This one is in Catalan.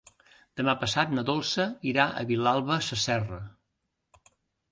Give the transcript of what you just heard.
Demà passat na Dolça irà a Vilalba Sasserra.